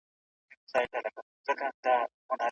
څېړونکی هغه څوک دی چي له حقایقو څخه هيڅکله سترګي نه پټوي.